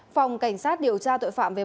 phòng cảnh sát điều tra tội phạm về mạng